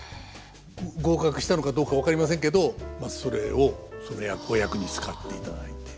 合格したのかどうか分かりませんけどそれをそのお役に使っていただいて。